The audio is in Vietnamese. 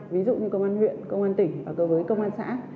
ví dụ như công an huyện công an tỉnh và với công an xã